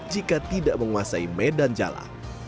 jika tidak menguasai medan jalan